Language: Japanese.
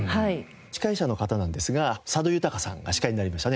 司会者の方なんですが佐渡裕さんが司会になりましたね。